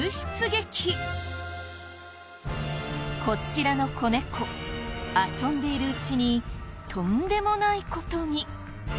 こちらの子猫遊んでいるうちにとんでもない事に。